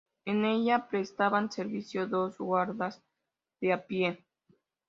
En ella prestaban servicio dos guardas de a pie.